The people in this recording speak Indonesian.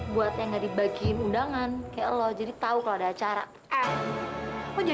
lu udah bilang kan sekali lagi lu pegang cewek gua